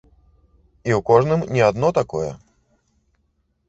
І ў кожным не адно такое.